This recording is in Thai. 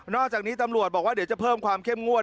จากนี้ตำรวจบอกว่าเดี๋ยวจะเพิ่มความเข้มงวด